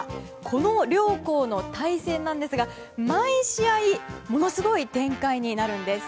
この両校の対戦なんですが毎試合ものすごい展開になるんです。